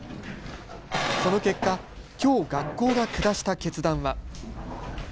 その結果、きょう学校が下した決断は。